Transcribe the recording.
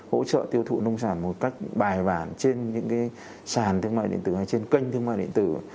hỗ trợ tiêu thụ nông sản một cách bài bản trên những cái sàn thương mại điện tử hay trên kênh thương mại điện tử